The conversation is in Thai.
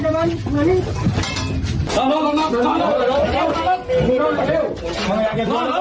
เจอมามาเก่งอีกมาจบกันสิจบกัน